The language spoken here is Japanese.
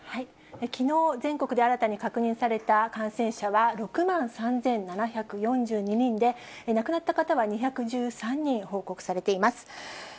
きのう、全国で新たに確認された感染者は６万３７４２人で、亡くなった方は２１３人報告されています。